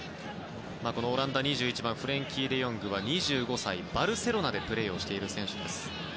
オランダの２１番フレンキー・デヨングは２５歳バルセロナでプレーをしています。